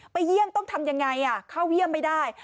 เยี่ยมต้องทำยังไงเข้าเยี่ยมไม่ได้